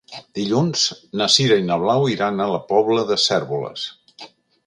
Dilluns na Sira i na Blau iran a la Pobla de Cérvoles.